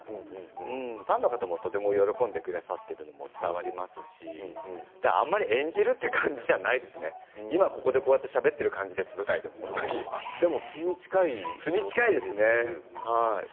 ファンの方もとても喜んでくださっているのも伝わりますしあまり演じるという感じじゃないですね、今こうやってしゃべっている感じですと舞台でも素に近いですね。